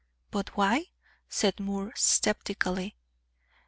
But why?" said Moore sceptically.